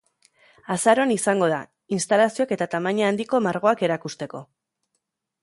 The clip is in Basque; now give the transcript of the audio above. Azaroan izango da, instalazioak eta tamaina handiko margoak erakusteko.